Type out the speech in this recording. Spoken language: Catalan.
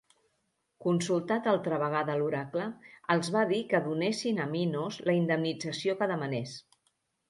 Consultat altra vegada l'oracle, els va dir que donessin a Minos la indemnització que demanés.